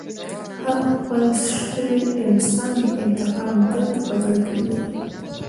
هر خپل سوی انسان د انتقام درد په زړه کښي لري.